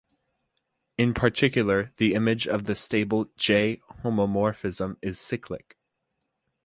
In particular the image of the stable "J"-homomorphism is cyclic.